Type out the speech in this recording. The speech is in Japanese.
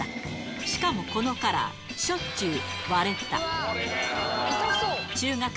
しかもこのカラー、しょっちゅう割れた。